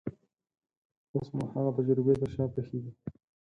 اوس مو هغه تجربې تر شا پرېښې دي.